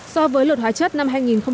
so với luật hóa chất năm hai nghìn bảy